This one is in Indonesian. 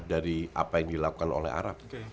dari apa yang dilakukan oleh arab